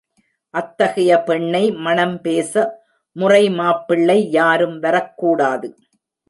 அத்தகைய பெண்ணை மணம் பேச முறை மாப்பிள்ளை யாரும் வரக்கூடாது.